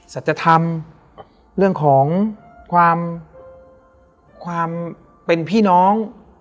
สัจธรรมเรื่องของความเป็นพี่น้อง